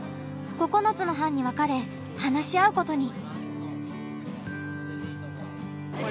９つの班に分かれ話し合うことに。